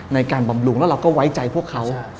บำรุงแล้วเราก็ไว้ใจพวกเขา